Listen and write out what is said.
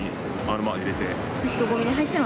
人混みに入ったら、